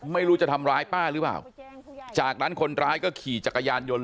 ไม่รู้จะทำร้ายป้าหรือเปล่าจากนั้นคนร้ายก็ขี่จักรยานยนต์